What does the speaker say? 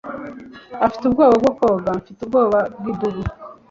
afite ubwoba bwo koga. mfite ubwoba bw'idubu